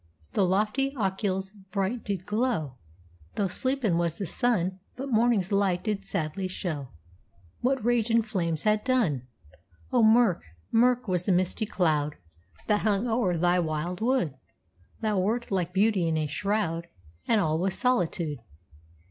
The lofty Ochils bright did glow, Though sleepin' was the sun; But mornin's light did sadly show What ragin' flames had done! Oh, mirk, mirk was the misty cloud That hung o'er thy wild wood! Thou wert like beauty in a shroud, And all was solitude.